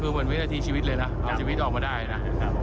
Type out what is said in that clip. คือเหมือนวินาทีชีวิตเลยนะอย่างชีวิตออกมาได้นะ